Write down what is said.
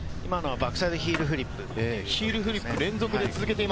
バックサイドヒールフリップ。